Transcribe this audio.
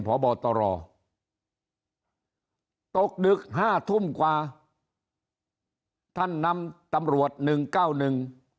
พบตรตกดึกห้าทุ่มกว่าท่านนำตำรวจหนึ่งเก้าหนึ่ง